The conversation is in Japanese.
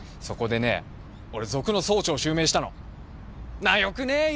そこでね俺族の総長襲名したの。なあよくね？